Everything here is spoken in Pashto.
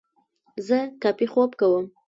زه کافي خوب کوم.